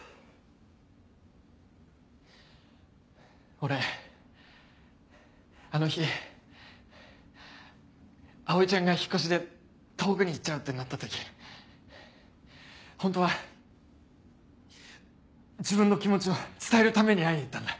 俺あの日葵ちゃんが引っ越しで遠くに行っちゃうってなった時ホントは自分の気持ちを伝えるために会いに行ったんだ。